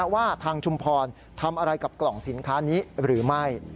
ว่าทางชุมพรทำอะไรกับกล่องสินค้านี้หรือไม่